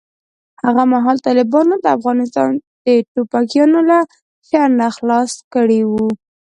هغه مهال طالبانو افغانستان د ټوپکیانو له شر نه خلاص کړی و.